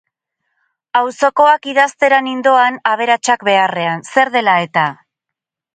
Auzokoak idaztera nindoan aberatsak beharrean, zer dela eta?